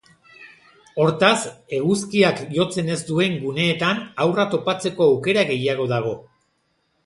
Hortaz, eguzkiak jotzen ez duen guneetan haurra topatzeko aukera gehiago dago.